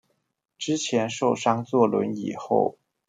之前受傷坐輪椅後